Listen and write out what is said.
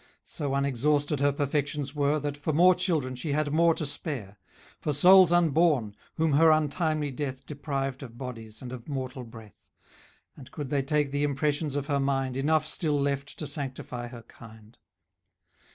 So unexhausted her perfections were, That, for more children, she had more to spare; For souls unborn, whom her untimely death Deprived of bodies, and of mortal breath; And, could they take the impressions of her mind, Enough still left to sanctify her kind.